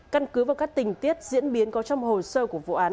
căn cứ vào các tình tiết diễn biến có trong hồ sơ của vụ án